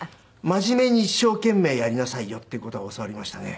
真面目に一生懸命やりなさいよっていう事は教わりましたね。